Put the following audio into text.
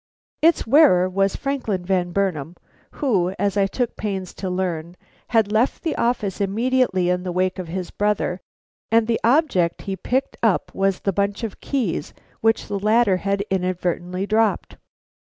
Its wearer was Franklin Van Burnam, who, as I took pains to learn, had left the office immediately in the wake of his brother, and the object he picked up was the bunch of keys which the latter had inadvertently dropped.